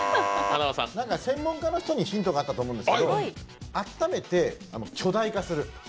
専門家の方にヒントがあったと思うんですけどあっためて巨大化する。